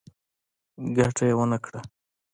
ګټه يې ونکړه.